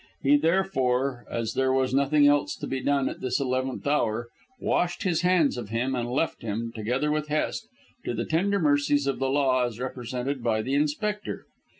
He therefore, as there was nothing else to be done at this eleventh hour, washed his hands of him and left him, together with Hest, to the tender mercies of the law as represented by the Inspector.